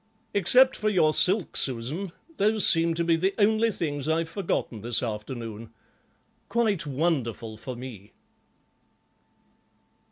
Except for your silk, Susan, those seem to be the only things I've forgotten this afternoon. Quite wonderful for me."